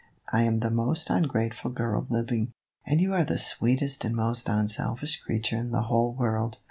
I am the most ungrateful girl living, and you are the sweetest and most unselfish creature in the whole world.